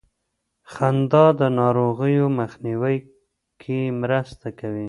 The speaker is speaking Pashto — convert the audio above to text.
خندا د ناروغیو مخنیوي کې مرسته کوي.